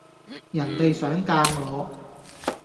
人地想嫁我